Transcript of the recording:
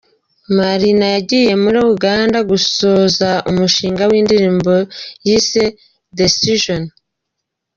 Marina yagiye muri Uganda gusoza umushinga w’indirimbo yise ’Decision’.